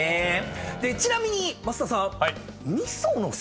ちなみに増田さん。